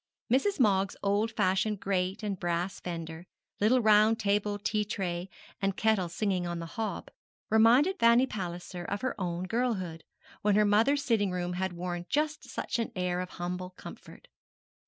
Mrs. Moggs' old fashioned grate and brass fender, little round table, tea tray, and kettle singing on the hob, reminded Fanny Palliser of her own girlhood, when her mother's sitting room had worn just such an air of humble comfort.